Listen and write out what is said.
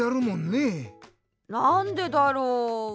なんでだろう。